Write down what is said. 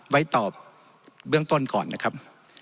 ไว้ตอบเบื้องต้นก่อนนะครับ